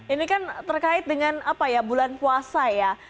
ini kan terkait dengan apa ya bulan puasa ya